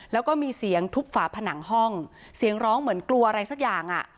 แล้วก็มีเสียงทุบฝาผนังห้องเสียงร้องเหมือนกลัวอะไรสักอย่างอ่ะ